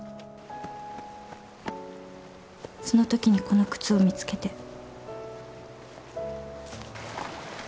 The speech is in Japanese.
そのときにこの靴を見つけて。